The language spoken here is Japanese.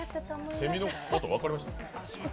セミのこと分かりました？